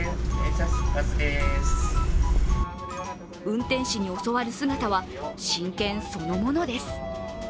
運転士に教わる姿は真剣そのものです。